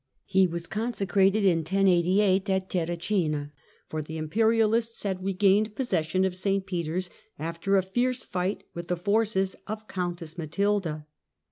He was consecrated in 1088 at Terracina, for the imperialists had regained possession of St Peter's, after a fierce fight with the forces of Countess Matilda.